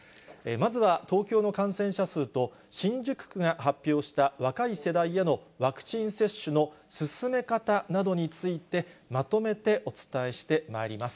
まずは東京の感染者数と、新宿区が発表した、若い世代へのワクチン接種の進め方などについて、まとめてお伝えしてまいります。